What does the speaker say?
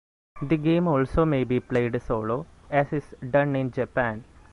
The game also may be played solo, as is done in Japan.